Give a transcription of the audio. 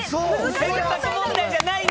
選択問題じゃないんだ。